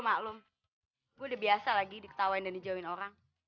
aku sudah biasa ketawa dan menjauhkan orang